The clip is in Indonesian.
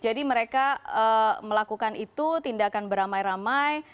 jadi mereka melakukan itu tindakan beramai ramai